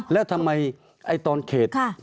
แล้วทำไมตอนเขต